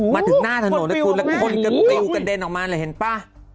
มาถึงหน้าถนนแล้วคนกระเด็นออกมาเลยเห็นป่ะ